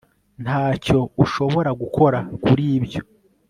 Ntacyo ushobora gukora kuri ibyo